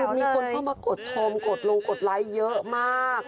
คือมีคนเข้ามากดชมกดลงกดไลค์เยอะมาก